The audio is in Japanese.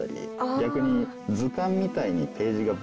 逆に。